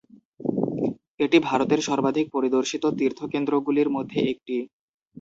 এটি ভারতের সর্বাধিক পরিদর্শিত তীর্থকেন্দ্রগুলির মধ্যে একটি।